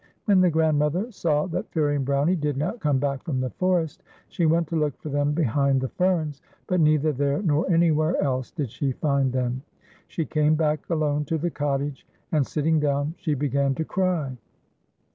When the old grandmother saw that Fairie and Brownie did not come back from the forest, she went to look for them behind the ferns, but neither there nor anywhere else did she find them. She came back alone to the cottage, and sitting down, she began to cry.